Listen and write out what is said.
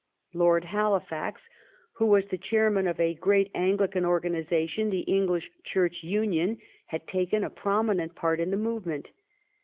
Lord Halifax, who was the chairman of a great Angli can organization, the English Church Union, had taken a prominent part in the movement.